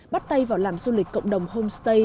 bắt tay vào làm du lịch cộng đồng homestay